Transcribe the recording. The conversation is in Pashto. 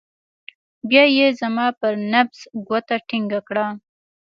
بيا يې زما پر نبض گوته ټينګه کړه.